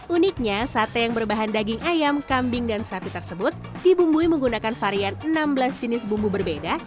uniknya sate yang berbahan daging ayam kambing dan sapi tersebut dibumbui menggunakan varian enam belas jenis bumbu berbeda